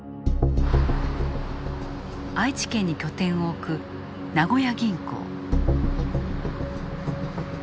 愛知県に拠点を置く名古屋銀行。